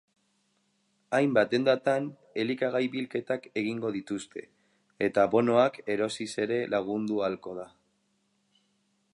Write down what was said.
Hainbat dendatan elikagai bilketak egingo dituzte eta bonoak erosiz ere lagundu ahalko da.